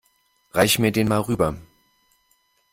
Reich mir den mal rüber.